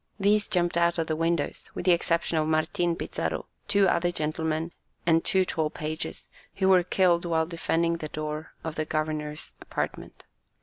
These jumped out of the windows, with the exception of Martin Pizarro, two other gentlemen, and two tall pages, who were killed while defending the door of the governor's apartment.